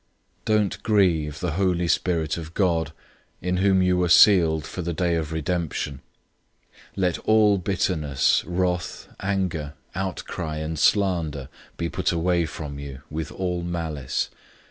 004:030 Don't grieve the Holy Spirit of God, in whom you were sealed for the day of redemption. 004:031 Let all bitterness, wrath, anger, outcry, and slander, be put away from you, with all malice.